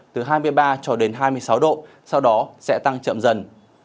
từ hai mươi ba cho đến hai mươi sáu độ sau đó sẽ tăng chậm dần